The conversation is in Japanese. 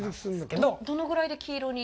どのぐらいで黄色に？